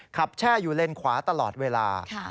แช่อยู่เลนขวาตลอดเวลา